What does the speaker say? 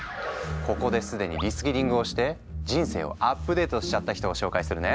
ここで既にリスキリングをして人生をアップデートしちゃった人を紹介するね。